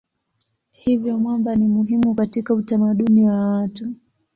Hivyo mwamba ni muhimu katika utamaduni wa watu.